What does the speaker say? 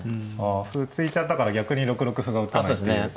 あ歩突いちゃったから逆に６六歩が打てないっていう。